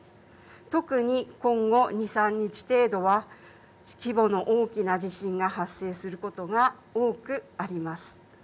特に今後２３日程度は規模の大きな地震が発生することが多くあります。